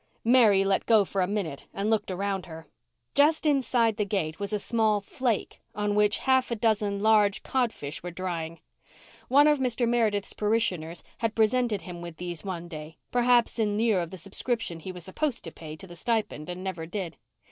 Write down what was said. Mary let go for a minute and looked around her. Just inside the gate was a small "flake," on which a half a dozen large codfish were drying. One of Mr. Meredith's parishioners had presented him with them one day, perhaps in lieu of the subscription he was supposed to pay to the stipend and never did.